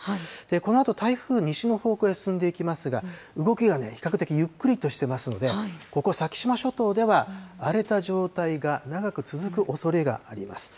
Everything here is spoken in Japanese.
このあと台風、西の方向へ進んでいきますが、動きが比較的ゆっくりとしていますので、ここ、先島諸島では、荒れた状態が長く続くおそれがあります。